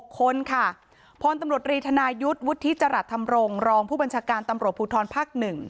๖คนพรตำรวจรีธนายุทธ์วุฒิจรรรย์ธรรมรงค์รองคุมัญชการตำรวจภูทรภักดิ์๑